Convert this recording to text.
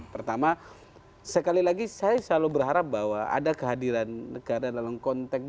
pertama sekali lagi saya selalu berharap bahwa ada kehadiran negara dalam konteks